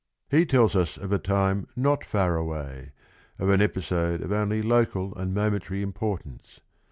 He tells us of a time not far away, of an episode of only local and momentary im portance.